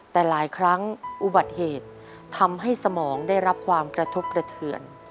แต่หลายครั้งอุบัติเหตุทำให้สมองได้รับความกระทบกระเทือน